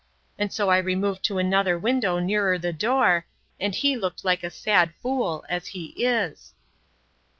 and so I removed to another window nearer the door, and he looked like a sad fool, as he is.